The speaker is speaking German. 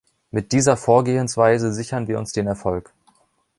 Mit dieser Vorgehensweise sichern wir uns den Erfolg.